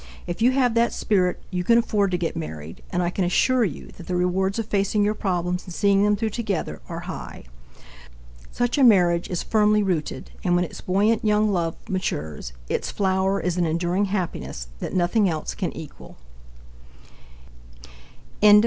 If you have that spirit, you can afford to get married, and I can assure you that the rewards of facing your problems and seeing them through together are high. Such a marriage is firmly rooted, and when its buoyant young love matures, its flower is an enduring happiness that nothing else can equal. _Jessie Marshall, M.D.